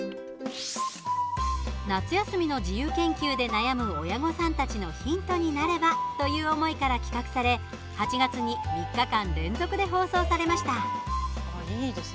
夏休みの自由研究で悩む親御さんたちのヒントになればという思いから企画され８月に３日間連続で放送されました。